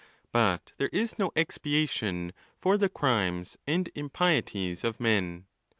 But there is no expiation for the crimes and icapiotieg of men.